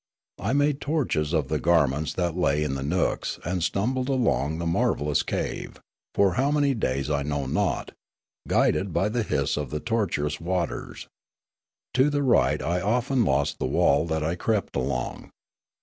I made torches of the garments that lay in the nooks, and stumbled along the marvellous cave, for how many days I know not, guided by the hiss of the tortuous waters. To the right I often lost the wall that I crept along.